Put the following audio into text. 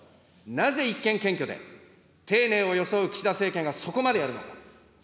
なぜ一見謙虚で、丁寧を装う岸田政権がそこまでやるのか。